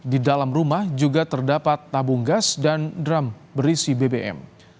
dapat tabung gas dan drum berisi bbm